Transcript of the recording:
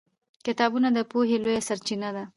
کتابونه د پوهې لویه سرچینه ده